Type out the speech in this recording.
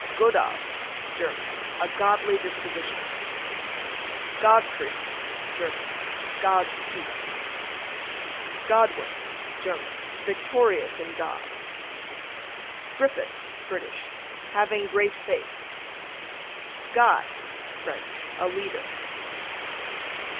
Godard, German, a godly disposition. Godfrey, German, God's peace. Godwin, German, victorious in Cod. Griffith, British, having great faith. Guy, French, a leader.